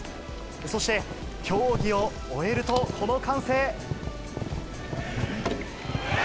そして競技を終えると、この歓声。